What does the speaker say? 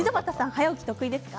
早起きは得意ですか？